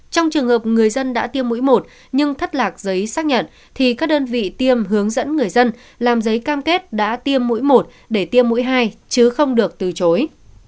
trong trường hợp người dân đã tiêm mũi một nhưng thất lạc giấy xác nhận thì các đơn vị tiêm hướng dẫn người dân làm giấy cam kết đã tiêm mũi một để tiêm mũi hai chứ không được từ chối